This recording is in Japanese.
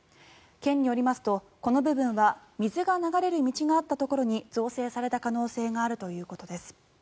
県によりますとこの部分は水が流れる道があったところに造成された可能性があるということです。